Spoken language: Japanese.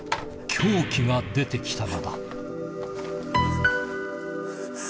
凶器が出てきたのだ